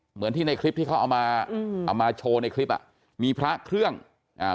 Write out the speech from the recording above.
เหมือนที่ในคลิปที่เขาเอามาอืมเอามาเอามาโชว์ในคลิปอ่ะมีพระเครื่องอ่า